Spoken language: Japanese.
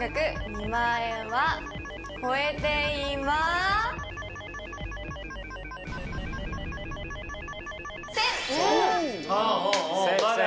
２万円は超えていません！